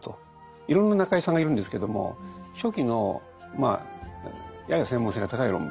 いろんな中井さんがいるんですけども初期のやや専門性が高い論文